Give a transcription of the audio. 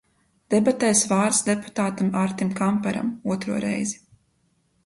Debatēs vārds deputātam Artim Kamparam, otro reizi.